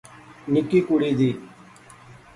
نکی کڑی دی